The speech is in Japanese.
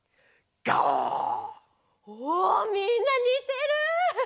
おみんなにてる！